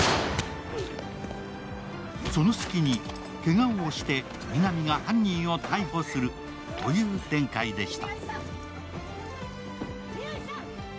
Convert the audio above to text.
その隙にけがをして皆実が逮捕するという展開でした。